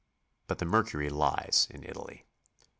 But the mercury lies in Italy.